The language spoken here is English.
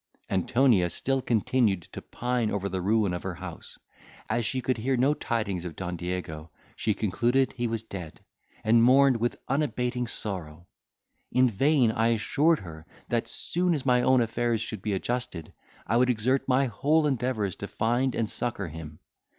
Antonia still continued to pine over the ruin of her house; as she could hear no tidings of Don Diego, she concluded he was dead, and mourned with unabating sorrow. In vain I assured her, that, soon as my own affairs should be adjusted, I would exert my whole endeavours to find and succour him.